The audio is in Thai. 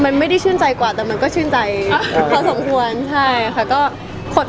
ก็มันไม่ได้ชื่นใจกว่าแต่มันชื่นใจพอสมควร